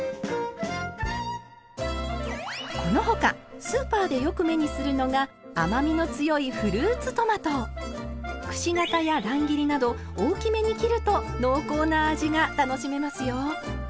この他スーパーでよく目にするのが甘みの強いくし形や乱切りなど大きめに切ると濃厚な味が楽しめますよ。